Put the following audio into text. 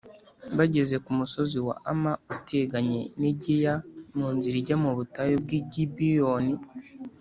bageze ku musozi wa Ama uteganye n’i Giya mu nzira ijya mu butayu bw’i Gibeyoni